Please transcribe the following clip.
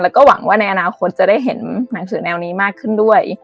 แล้วก็หวังว่าในอนาคตจะได้เห็นหนังสือแนวนี้มากขึ้นด้วย